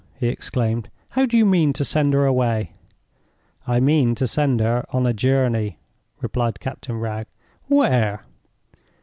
he exclaimed. "How do you mean to send her away?" "I mean to send her on a journey," replied Captain Wragge. "Where?"